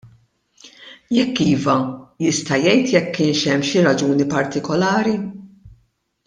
Jekk iva, jista' jgħid jekk kienx hemm xi raġuni partikolari?